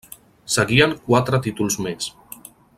Seguien quatre títols més.